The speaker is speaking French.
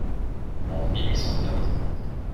En mille huit cent quinze